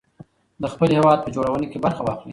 د خپل هېواد په جوړونه کې برخه واخلئ.